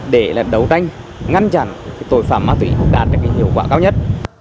để đấu tranh ngăn chặn tội phạm ma túy đạt được hiệu quả cao nhất